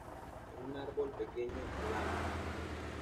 Es un árbol pequeño, glabro.